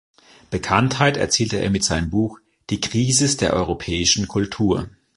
Bekanntheit erzielte er mit seinem Buch "Die Krisis der europäischen Kultur".